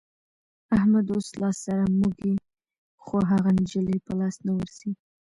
احمد اوس لاس سره موږي خو هغه نجلۍ په لاس نه ورځي.